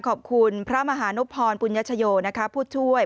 ขอบคุณพระมหานุพพรปุญญชโยผู้ช่วย